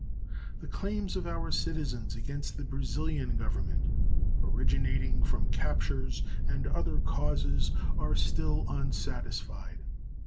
The claims of our citizens against the Brazilian Government originating from captures and other causes are still unsatisfied.